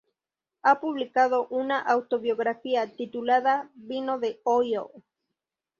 Ha publicado una autobiografía, titulada "¡Vino de Ohio!